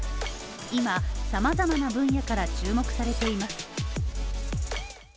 今、様々な分野から注目されています。